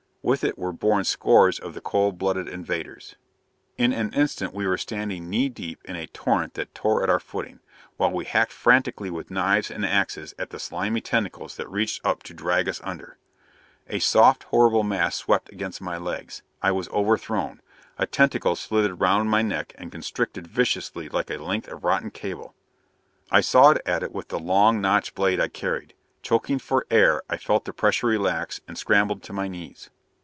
With it were borne scores of the cold blooded invaders. In an instant we were standing knee deep in a torrent that tore at our footing, while we hacked frantically with knives and axes at the slimy tentacles that reached up to drag us under. A soft, horrible mass swept against my legs. I was overthrown. A tentacle slithered around my neck and constricted viciously like a length of rotten cable. I sawed at it with the long, notched blade I carried. Choking for air, I felt the pressure relax and scrambled to my knees.